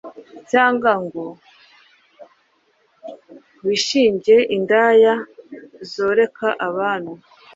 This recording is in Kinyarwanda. cyangwa ngo wishinge indaya zoreka n’abami